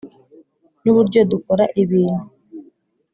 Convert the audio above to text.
nuburyo dukora ibintu.